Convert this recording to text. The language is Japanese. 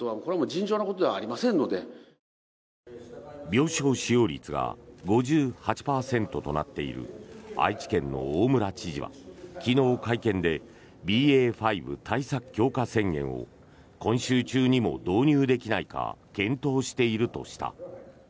病床使用率が５８％となっている愛知県の大村知事は昨日、会見でＢＡ．５対策強化宣言を今週中にも導入できないか検討しているとした。